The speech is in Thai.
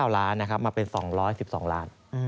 ๙ล้านนะครับมาเป็น๒๑๒ล้าน